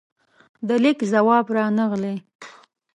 د لیک ځواب رانغلې